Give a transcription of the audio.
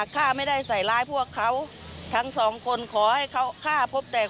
ครับ